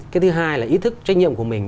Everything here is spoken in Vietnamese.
cái thứ hai là ý thức trách nhiệm của mình